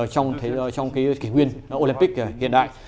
trong cái kỳ nguyên olympic hiện đại